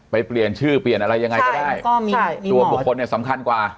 เปลี่ยนชื่อเปลี่ยนอะไรยังไงก็ได้ก็มีตัวบุคคลเนี่ยสำคัญกว่า